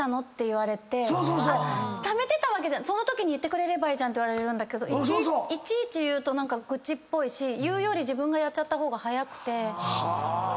言われてためてたわけじゃ「そのときに言ってくれればいいじゃん」って言われるんだけどいちいち言うと愚痴っぽいし言うより自分がやっちゃった方が早くて。